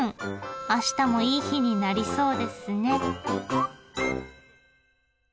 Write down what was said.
あしたもいい日になりそうですね。